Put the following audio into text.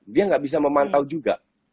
dia nggak bisa memantau juga